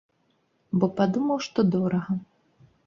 Бо падумаў, што дорага.